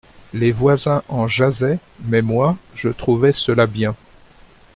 Les voisins en jasaient, mais moi, je trouvais cela bien.